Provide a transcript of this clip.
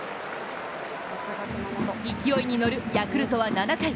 勢いに乗るヤクルトは７回。